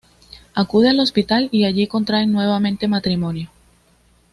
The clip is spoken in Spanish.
Acude al hospital y allí contraen nuevamente matrimonio.